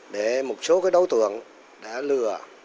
để một số đối tượng đã lừa